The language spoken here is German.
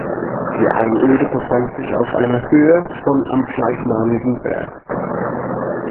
Die Einöde befand sich auf einer Höhe von am gleichnamigen Berg.